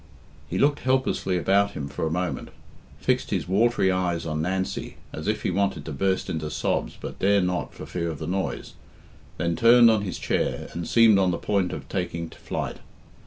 He looked helplessly about him for a moment, fixed his watery eyes on Nancy as if he wanted to burst into sobs but dare not for fear of the noise, then turned on his chair and seemed on the point of taking to flight.